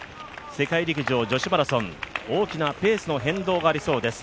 世界陸上女子マラソン大きなペースの変動がありそうです。